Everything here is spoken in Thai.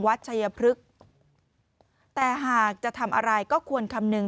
ชัยพฤกษ์แต่หากจะทำอะไรก็ควรคำนึง